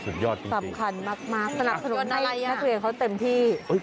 สำคัญมากสนับสนุนอะไรนักเรียนเขาเต็มที่